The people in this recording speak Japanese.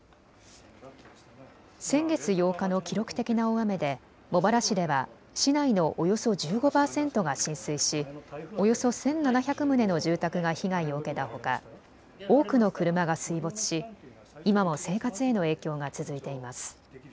先月８日の記録的な大雨で茂原市では市内のおよそ１５％が浸水し、およそ１７００棟の住宅が被害を受けたほか多くの車が水没し今も生活への影響が続いています。